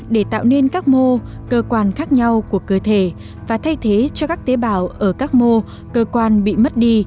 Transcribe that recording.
để tạo nên các mô cơ quan khác nhau của cơ thể và thay thế cho các tế bào ở các mô cơ quan bị mất đi